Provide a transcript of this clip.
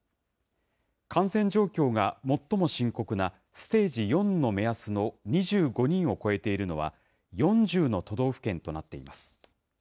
感染状況が最も深刻なステージ４の目安の２５人を超えているのは、４０の都道府県となっています。